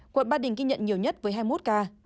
quận ba đình ghi nhận nhiều nhất với hai mươi một ca